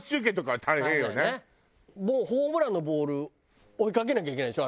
もうホームランのボール追いかけなきゃいけないでしょ？